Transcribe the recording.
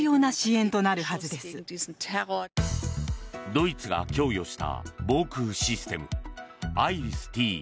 ドイツが供与した防空システム